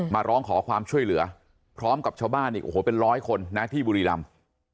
มาร้องขอความช่วยเหลือพร้อมกับชาวบ้านอีกโอ้โหเป็นร้อยคนนะที่บุรีรำ